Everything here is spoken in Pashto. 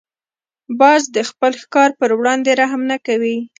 باز د خپل ښکار پر وړاندې رحم نه کوي